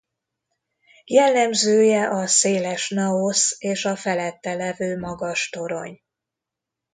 Jellemzője a széles naosz és a felette levő magas torony.